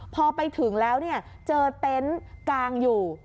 พอไปถึงแล้วเจอเต็นต์กางอยู่